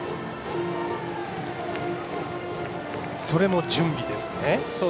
それも準備ですね。